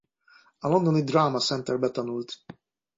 A londoni Drama Centre-ben tanult.